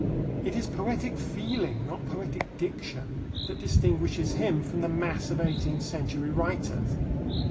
It is poetic feeling, not poetic diction, that distinguishes him from the mass of eighteenth century writers.